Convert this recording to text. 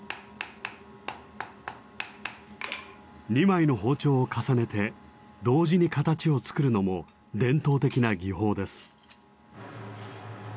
２枚の包丁を重ねて同時に形を作るのも伝統的な技法です。